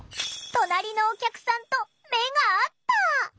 隣のお客さんと目が合った。